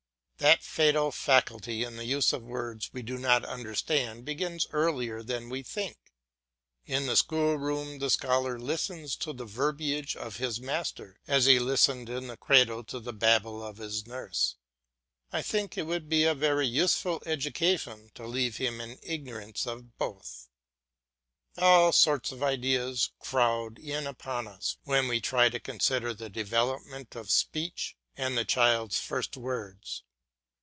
That fatal facility in the use of words we do not understand begins earlier than we think. In the schoolroom the scholar listens to the verbiage of his master as he listened in the cradle to the babble of his nurse. I think it would be a very useful education to leave him in ignorance of both. All sorts of ideas crowd in upon us when we try to consider the development of speech and the child's first words.